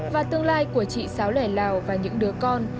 và tương lai của chị sáu lẻ lào và những đứa con